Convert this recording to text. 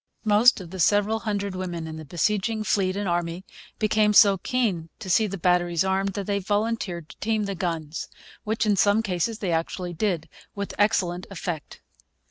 Most of the several hundred women in the besieging fleet and army became so keen to see the batteries armed that they volunteered to team the guns, which, in some cases, they actually did, with excellent effect.